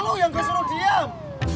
lu yang disuruh diem